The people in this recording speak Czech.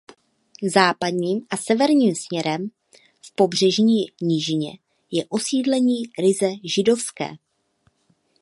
Západním a severním směrem v pobřežní nížině je osídlení ryze židovské.